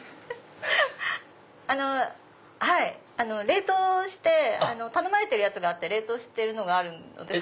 冷凍して頼まれたやつがあって冷凍してるのがあるので。